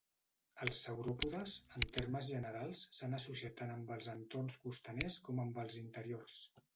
Els sauròpodes, en termes generals, s'han associat tant amb els entorns costaners com amb els interiors.